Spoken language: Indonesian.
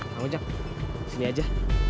bang ujang sini aja